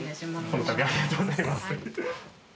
この度はありがとうございます。